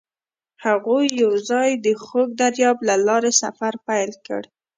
هغوی یوځای د خوږ دریاب له لارې سفر پیل کړ.